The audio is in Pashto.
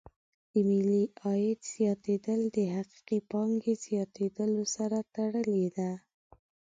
د ملي عاید زیاتېدل د حقیقي پانګې زیاتیدلو سره تړلې دي.